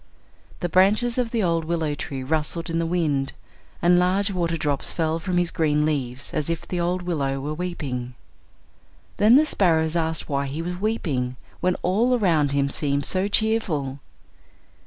The branches of the old willow tree rustled in the wind, and large water drops fell from his green leaves as if the old willow were weeping. Then the sparrows asked why he was weeping, when all around him seemed so cheerful.